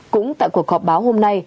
cũng tại cuộc họp báo hôm nay